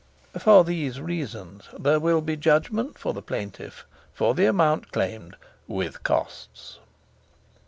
"For these reasons there will be judgment for the plaintiff for the amount claimed with costs."